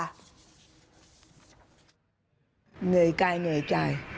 เหนื่อยกายเหนื่อยใจ